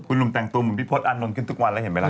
คุณลุมแต่งตัวเหมือนพี่โพสต์อันนมกินทุกวันแล้วเห็นไหมละ